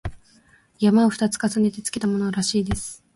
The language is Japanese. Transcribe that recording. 「山」を二つ重ねてつけたものらしいのです